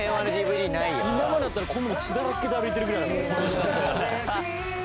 「今までだったらこんなの血だらけで歩いてるぐらいだからこの時間は」